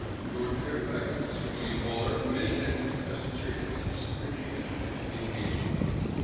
Lord Fairfax, Sir William Waller, and many heads of the Presbyterians, had secretly entered into the engagement.